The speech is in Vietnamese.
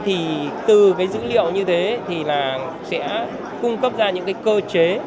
thì từ cái dữ liệu như thế thì là sẽ cung cấp ra những cái cơ chế